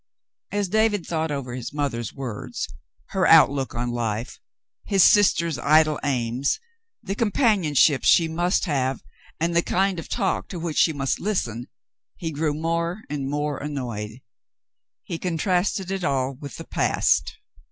As David thought over his mother's words — her out look on life — his sister's idle aims — the companionships she must have and the kind of talk to which she must listen — he grew more and more annoyed. He contrasted it all with the past.